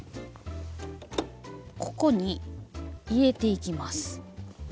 ここに入れていきます。